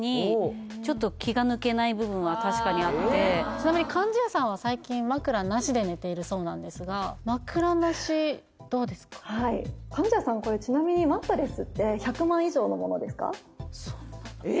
ちなみに貫地谷さんは最近枕なしで寝ているそうなんですが貫地谷さんこれちなみにえっ！？